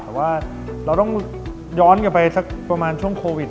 แต่ว่าเราต้องย้อนกลับไปสักประมาณช่วงโควิด